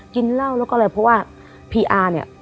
เพราะว่าพี่อาร์เนี่ย